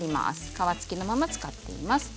皮付きのまま使っています。